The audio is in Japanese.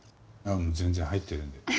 全然入ってるんで。